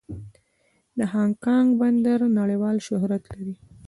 د هانګ کانګ بندر نړیوال شهرت لري.